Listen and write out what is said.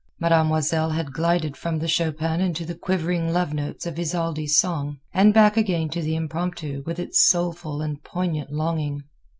Mademoiselle had glided from the Chopin into the quivering love notes of Isolde's song, and back again to the Impromptu with its soulful and poignant longing.